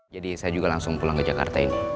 jadi saya juga langsung pulang ke jakarta ini